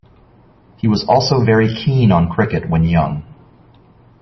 He was also very keen on cricket when young.